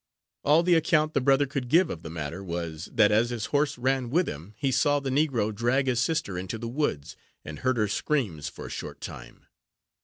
All the account the brother could give of the matter was, that as his horse ran with him, he saw the negro drag his sister into the woods, and heard her screams for a short time.